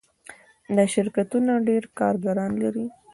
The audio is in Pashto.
دا شرکتونه ډیر کارګران لري.